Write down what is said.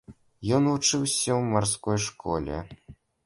Ён вучыўся ў марской школе.